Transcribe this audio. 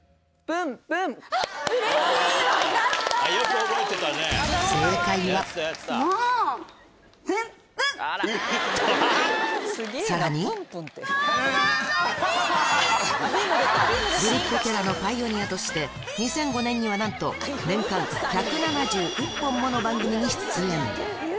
ぶりっ子キャラのパイオニアとして、２００５年にはなんと、年間１７１本もの番組に出演。